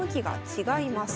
違います。